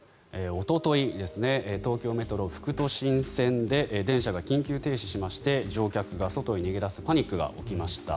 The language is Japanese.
おととい東京メトロ副都心線で電車が緊急停止しまして乗客が外に逃げ出すパニックが起きました。